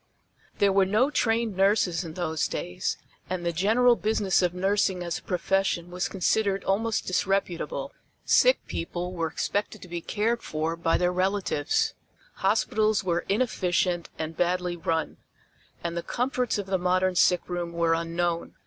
There were no trained nurses in those days, and the general business of nursing as a profession was considered almost disreputable. Sick people were expected to be cared for by their relatives; hospitals were inefficient and badly run, and the comforts of the modern sickroom were unknown.